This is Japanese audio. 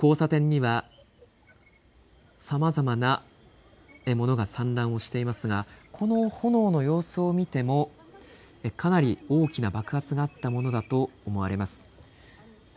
交差点にはさまざまな物が散乱していますがこの炎の様子を見てもかなり大きな爆発があったものだと思われます。